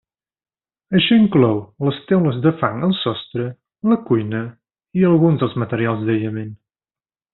Això inclou les teules de fang al sostre, la cuina i alguns dels materials d'aïllament.